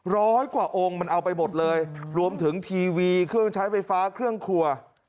ร้อยกว่าองค์มันเอาไปหมดเลยรวมถึงทีวีเครื่องใช้ไฟฟ้าเครื่องครัว